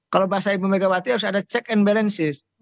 kalau bahasa ibu megawati harus ada check and balances